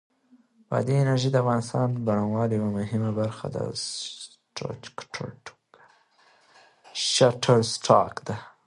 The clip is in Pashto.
بادي انرژي د افغانستان د بڼوالۍ یوه مهمه برخه ده.Shutterstock